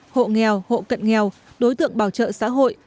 hộ nghèo hộ cận nghèo đối tượng bảo trợ xã hội